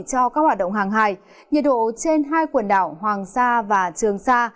cho các hoạt động hàng hải nhiệt độ trên hai quần đảo hoàng sa và trường sa